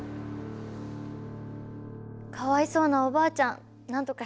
かわいそうなおばあちゃん。